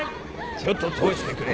ちょっと通してくれ。